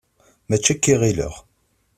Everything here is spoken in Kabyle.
Mačči akka i ɣileɣ.